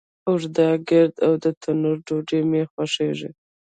اوږده، ګرده، او تنوری ډوډۍ می خوښیږی